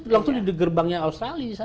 langsung di gerbangnya australia